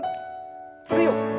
強く。